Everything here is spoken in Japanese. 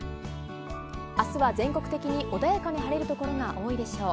あすは全国的に穏やかに晴れる所が多いでしょう。